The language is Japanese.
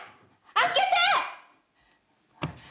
「開けて！」